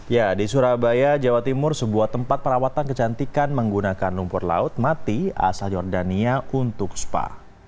ya di surabaya jawa timur sebuah tempat perawatan kecantikan menggunakan lumpur laut mati asal jordania untuk spa